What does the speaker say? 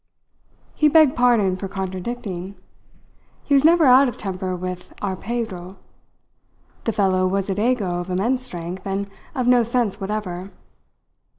He begged pardon for contradicting. He was never out of temper with "our Pedro." The fellow was a Dago of immense strength and of no sense whatever.